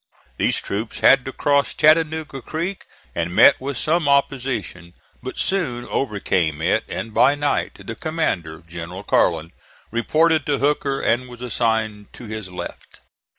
These troops had to cross Chattanooga Creek and met with some opposition, but soon overcame it, and by night the commander, General Carlin, reported to Hooker and was assigned to his left.